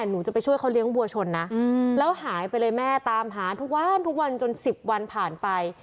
หนูจะไปช่วยเขาเลี้ยงวัวชนนะแล้วหายไปเลยแม่ตามหาทุกวันทุกวันจน๑๐วันผ่านไป